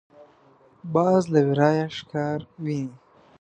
باز له ورايه ښکار ویني